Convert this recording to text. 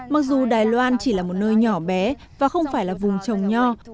mặc dù đài loan chỉ là một nơi nhỏ bé và không phải là vùng trồng nho